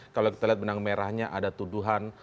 kalau kita lihat benang merahnya ada tuduhan